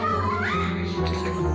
cepetan aja juragan ya